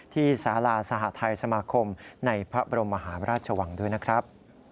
ที่สาธาราชสมาคมในพระบรมมหาราชวังด้วยนะครับ